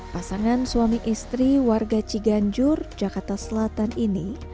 pasangan suami istri warga ciganjur jakarta selatan ini